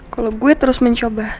kalau gue terus mencoba